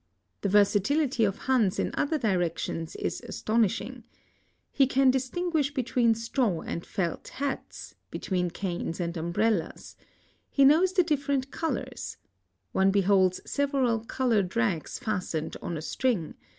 The versatility of Hans in other direc tions Is astonishing. He can distinguisll bet ween .straw and felt hate, between canea and umbrellas. He' knows the different colors. One beAiolds several colored rags fastened en a string.